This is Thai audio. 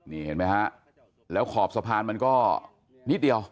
นี่เห็นไหมฮะแล้วขอบสะพานมันก็นิดเดียว